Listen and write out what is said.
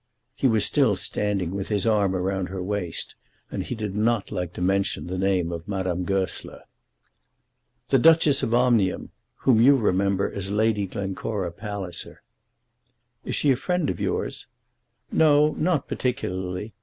He was still standing with his arm round her waist, and he did not like to mention the name of Madame Goesler. "The Duchess of Omnium, whom you remember as Lady Glencora Palliser." "Is she a friend of yours?" "No; not particularly.